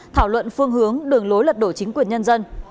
thảo luận phương hướng đường lối lật đổ chính quyền nhân dân